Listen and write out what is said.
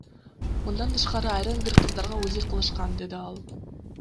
Мындан тышкары айрым бир кыздарга УЗИ кылышкан, — деди ал.